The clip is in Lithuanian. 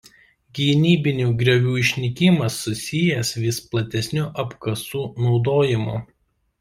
Gynybinių griovių išnykimas susijęs vis platesniu apkasų naudojimu.